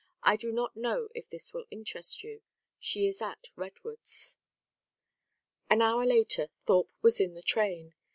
I do not know if this will interest you. She is at Redwoods." An hour later Thorpe was in the train.